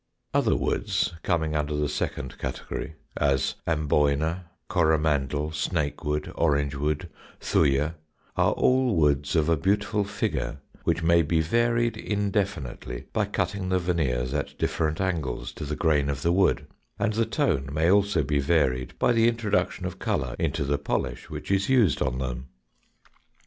Other woods, coming under the second category, as amboyna, coromandel, snake wood, orange wood, thuyer, are all woods of a beautiful figure, which may be varied indefinitely by cutting the veneers at different angles to the grain of the wood, and the tone may also be varied by the introduction of colour into the polish which is used on them.